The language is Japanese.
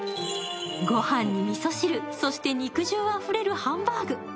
ご飯にみそ汁、そして肉汁あふれるハンバーグ。